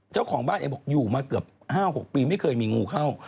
เจ้าของบ้านเองบอกอยู่มาเกือบ๕๖ปีไม่เคยมีงูเข้า